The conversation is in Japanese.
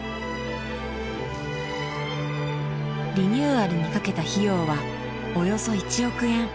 ［リニューアルにかけた費用はおよそ１億円］